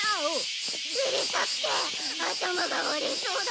うるさくて頭が割れそうだ。